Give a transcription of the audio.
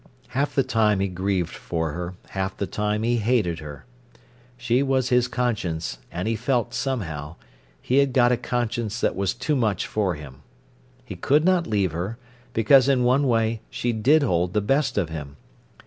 Half the time he grieved for her, half the time he hated her. She was his conscience; and he felt, somehow, he had got a conscience that was too much for him. He could not leave her, because in one way she did hold the best of him.